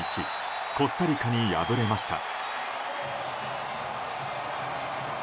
コスタリカに敗れました。